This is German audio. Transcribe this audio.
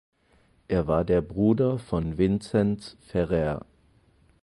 Er war der Bruder von Vinzenz Ferrer.